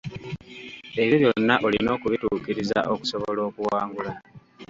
Ebyo byonna olina okubituukiriza okusobola okuwangula.